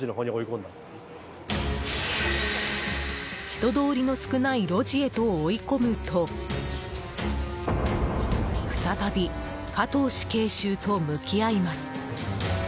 人通りの少ない路地へと追い込むと再び加藤死刑囚と向き合います。